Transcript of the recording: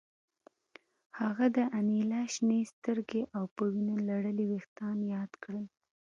هغه د انیلا شنې سترګې او په وینو لړلي ویښتان یاد کړل